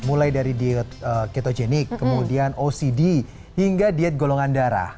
mulai dari diet ketogenik kemudian ocd hingga diet golongan darah